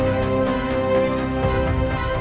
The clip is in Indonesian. agar data baik itu